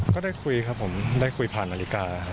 ก็ได้คุยครับผมได้คุยผ่านนาฬิกา